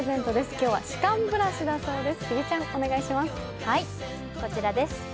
今日は、歯間ブラシだそうです。